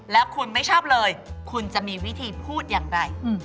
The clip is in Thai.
แล้วคุณไม่ชอบเลยคุณจะมีวิธีพูดอย่างไร